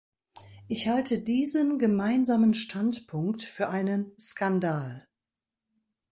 Ich halte diesen Gemeinsamen Standpunkt für einen Skandal!